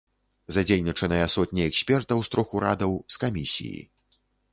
Задзейнічаныя сотні экспертаў з трох урадаў, з камісіі.